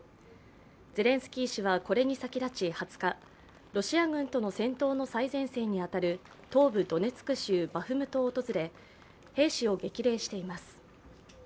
ゼレンスキー氏はこれに先立ち２０日、ロシア軍との戦闘の最前線に当たる東部ドネツク州・バフムトを訪れ兵士を激励しています。